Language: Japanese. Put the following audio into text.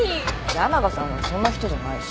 山賀さんはそんな人じゃないし。